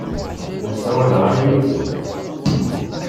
Ur ssawaleɣ ara yid-sent.